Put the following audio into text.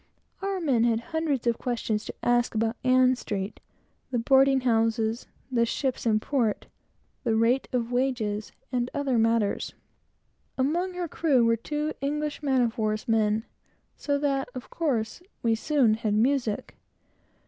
Our men had hundreds of questions to ask about Ann street, the boarding houses, the ships in port, the rate of wages, and other matters. Among her crew were two English man of war's men, so that, of course, we soon had music.